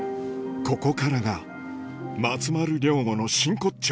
ここからが松丸亮吾の真骨頂